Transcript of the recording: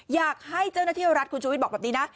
อยากให้เจ้าหน้าที่รัฐคุณชูวิทย์บอกแบบนี้นะ